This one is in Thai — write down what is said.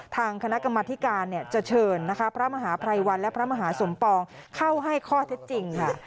ทางคณะกรรมธิการจะเชิญนะคะพระมหาภัยวันและพระมหาสมปองเข้าให้ข้อเท็จจริงค่ะ